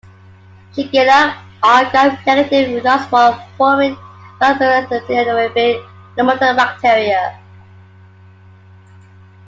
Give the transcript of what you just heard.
Shigellae are Gram-negative, nonspore-forming, facultatively anaerobic, nonmotile bacteria.